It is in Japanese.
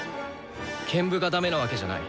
兼部がダメなわけじゃない。